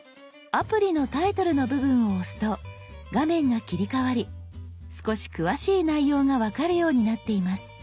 アプリのタイトルの部分を押すと画面が切り替わり少し詳しい内容が分かるようになっています。